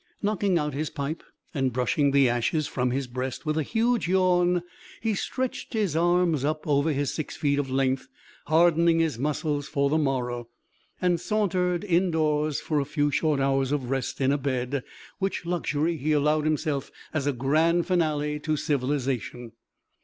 Knocking out his pipe and brushing the ashes from his breast, with a huge yawn, he stretched his arms up over his six feet of length, hardening his muscles for the morrow, and sauntered indoors for the few short hours of rest in a bed, which luxury he allowed himself as a grand finale to civilization.